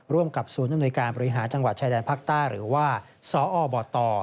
ร่วมกับศูนย์อำนวยการบริหารจังหวัดชายแดนภาคใต้หรือว่าสอบต